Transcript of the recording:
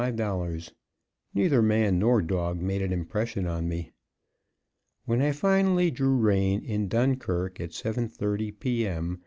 Neither man nor dog made an impression on me. When I finally drew rein in Dunkirk, at 7:30 P. M.